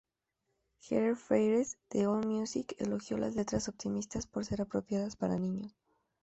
Heather Phares de Allmusic elogió las letras optimistas por ser apropiadas para niños.